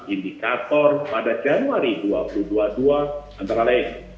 indikator pada januari dua ribu dua puluh dua antara lain